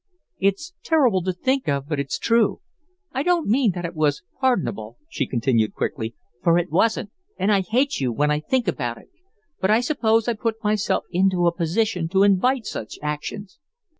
It's terrible to think of, but it's true. I don't mean that it was pardonable," she continued, quickly, "for it wasn't, and I hate you when I think about it, but I suppose I put myself into a position to invite such actions.